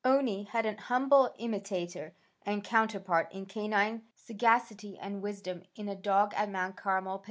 "Owney" had an humble imitator and counterpart in canine sagacity and wisdom in a dog at Mount Carmel, Pa.